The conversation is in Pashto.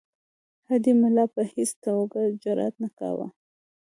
هډې ملا په هیڅ توګه جرأت نه کاوه.